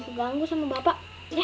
terganggu sama bapak